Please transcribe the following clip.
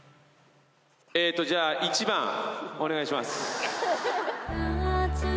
じゃあ１番お願いします。